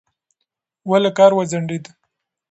ولې کار وځنډېد؟